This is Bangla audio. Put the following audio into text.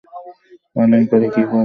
পালাইবার কি পথ আছে, আমিত কিছুই জানি না!